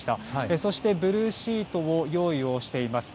そしてブルーシートを用意をしています。